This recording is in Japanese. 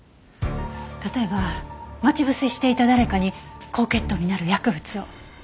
例えば待ち伏せしていた誰かに高血糖になる薬物を。